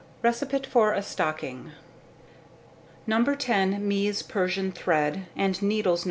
Receipt for a Stocking. No. 10 Mee's Persian thread, and needles No.